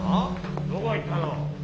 どこ行ったの？